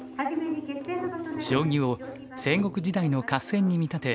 将棋を戦国時代の合戦に見立て